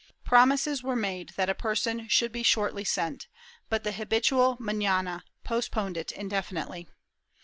Promises were made that a person should shortly be sent, but the habitual manana postponed it indefinitely.